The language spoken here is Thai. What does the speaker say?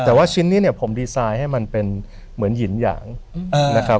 แต่ว่าชิ้นนี้เนี่ยผมดีไซน์ให้มันเป็นเหมือนหินหยางนะครับ